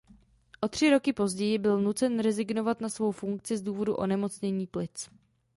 O tři roky později byl nucen rezignovat na svou funkci z důvodu onemocnění plic.